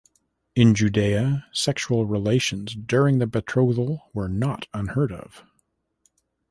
In Judea sexual relations during the betrothal were not unheard of.